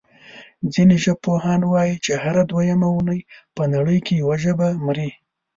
ځینې ژبپوهان وايي چې هره دویمه اوونۍ په نړۍ کې یوه ژبه مري.